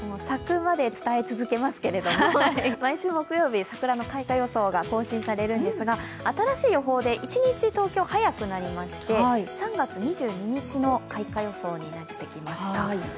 咲くまで伝え続けますけれども、毎週木曜日、桜の開花予想が更新されるんですが、新しい予報で１日、東京早くなりまして３月２２日の開花予想になってきました。